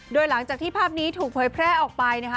โดยหลังจากที่ภาพนี้ถูกเผยแพร่ออกไปนะคะ